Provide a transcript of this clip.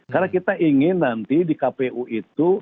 karena kita ingin nanti di kpu itu